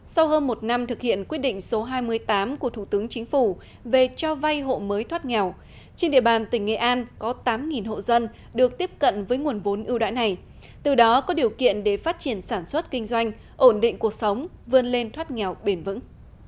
sau hơn một năm thực hiện quyết định số hai mươi tám của thủ tướng chính phủ về cho vay hộ mới thoát nghèo trên địa bàn tỉnh nghệ an có tám hộ dân được tiếp cận với nguồn vốn ưu đãi này từ đó có điều kiện để phát triển sản xuất kinh doanh ổn định cuộc sống vươn lên thoát nghèo bền vững